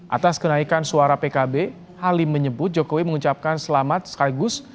atas kenaikan suara pkb halim menyebut jokowi mengucapkan selamat sekaligus